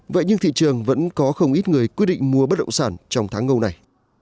vậy nhưng thị trường vẫn có không ít người quyết định mua bất động sản trong tháng ngâu này